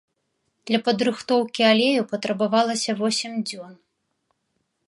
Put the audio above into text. Для падрыхтоўкі алею патрабавалася восем дзён.